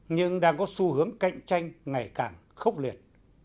nhưng đang có xu hướng cạnh tranh ngày càng khốc liệt